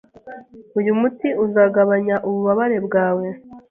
Uyu muti uzagabanya ububabare bwawe.